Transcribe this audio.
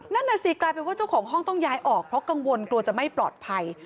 นั่นน่ะสิกลายเป็นว่าเจ้าของห้องต้องย้ายออกเพราะกังวลกลัวจะไม่ปลอดภัย